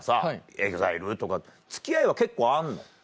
ＥＸＩＬＥとか付き合いは結構あんの？